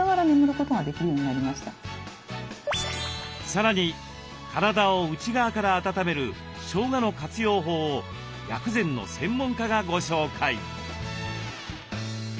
さらに体を内側から温めるしょうがの活用法を薬膳の専門家がご紹介。